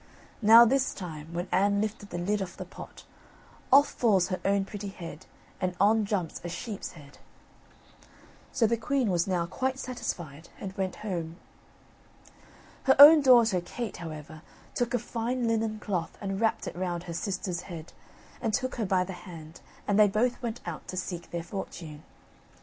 Now, this time, when Anne lifted the lid off the pot, off falls her own pretty head, and on jumps a sheep's head. So the queen was now quite satisfied, and went back home. Her own daughter, Kate, however, took a fine linen cloth and wrapped it round her sister's head and took her by the hand and they both went out to seek their fortune.